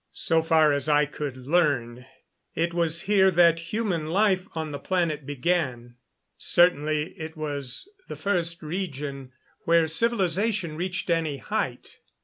So far as I could learn, it was here that human life on the planet began. Certainly it was the first region where civilization reached any height.